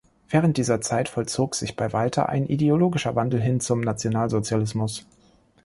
Während dieser Zeit vollzog sich bei Walter ein ideologischer Wandel hin zum Nationalsozialismus.